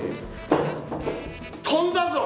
飛んだぞ！